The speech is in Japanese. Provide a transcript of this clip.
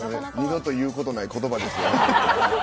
二度と言うことないお言葉ですよね。